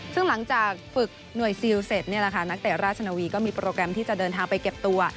ซึ่งหลังจากฝึกหน่วยซิลเสร็จนักเตะราชนวีก็มีโปรแกรมที่จะเดินทางไปเก็บตัว